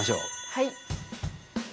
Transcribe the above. はい。